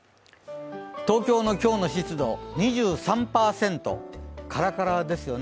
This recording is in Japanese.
東京の今日の湿度２３％、カラカラですよね。